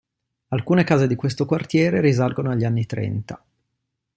Alcune case di questo quartiere risalgono agli anni trenta.